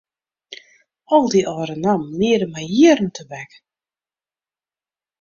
Al dy âlde nammen liede my jierren tebek.